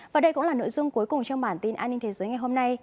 và đây cũng là nội dung cuối cùng trong bản tin an ninh thế giới ngày hôm nay